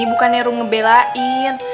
bukan nero ngebelain